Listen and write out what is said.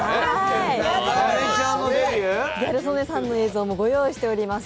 ギャル曽根さんの映像もご用意しています。